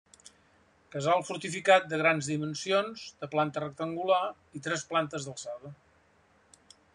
Casal fortificat de grans dimensions, de planta rectangular i tres plantes d'alçada.